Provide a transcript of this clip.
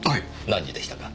何時でしたか？